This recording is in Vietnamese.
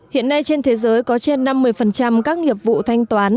hiện nay trên thế giới có trên năm mươi các nghiệp vụ thanh toán